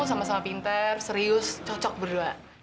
sama sama pinter serius cocok berdua